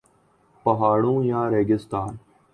پہاڑ ہوں یا ریگستان